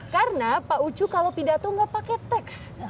karena pak ucu kalau pidato nggak pakai teks